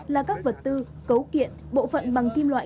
là các vật tư cấu kiện bộ phận bằng kim loại